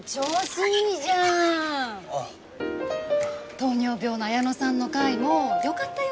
糖尿病のあやのさんの回もよかったよ！